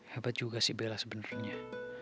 hebat juga si bella sebenarnya